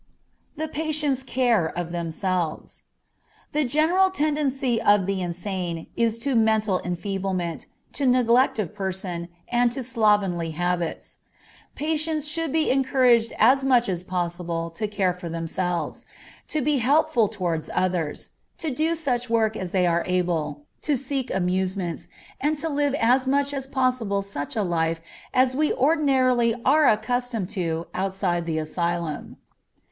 The Patients' Care of Themselves. The general tendency of the insane is to mental enfeeblement, to neglect of person, and to slovenly habits. Patients should be encouraged as much as possible to care for themselves; to be helpful towards others; to do such work as they are able; to seek amusements, and to live as much as possible such a life as we ordinarily are accustomed to outside the asylum.